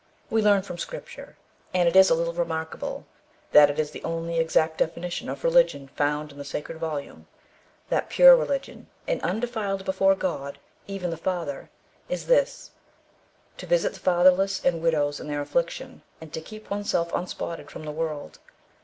We learn from Scripture, and it is a little remarkable that it is the only exact definition of religion found in the sacred volume, that "pure religion and undefiled before God, even the Father, is this, to visit the fatherless and widows in their affliction, and to keep oneself unspotted from the world."